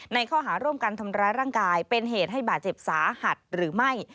ข้อหาร่วมกันทำร้ายร่างกายเป็นเหตุให้บาดเจ็บสาหัสหรือไม่